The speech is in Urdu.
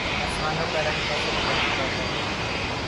آسمانوں کا رنگ کیسے بدل چکا ہے۔